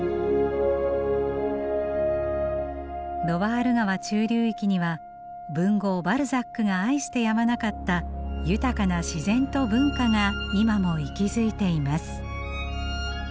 ロワール川中流域には文豪バルザックが愛してやまなかった豊かな自然と文化が今も息づいています。